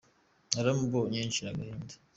Naramubonye nshira agahinda